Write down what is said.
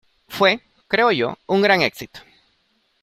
Fue, creo yo , un gran éxito.